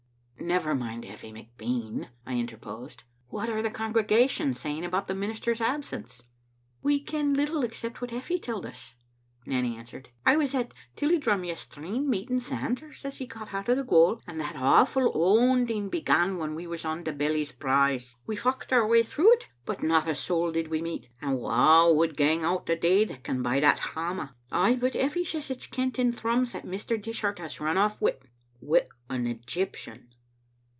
"Never mind Effie McBean," I interposed. "What are the congregation saying about the minister's absence?" "We ken little except what Effie telled us,'' Nanny answered. "I was at Tilliedrum yestreen, meeting Sanders as he got out o' the gaol, and that awfu on ding began when we was on the Bellies Braes. We focht our way through it, but not a soul did we meet; and wha would gang out the day that can bide at hame? Ay, but Effie says it's kent in Thrums that Mr. Dishart has run off wi' — wi' an Egj'^ptian."